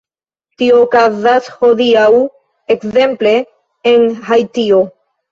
Tio okazas hodiaŭ, ekzemple, en Haitio.